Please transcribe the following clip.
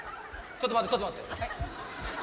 ちょっと待ってちょっと待ってはい？